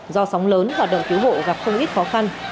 do sóng lớn hoạt động cứu hộ gặp không ít khó khăn